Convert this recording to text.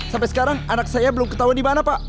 sampai sekarang anak saya belum ketahuan dimana pak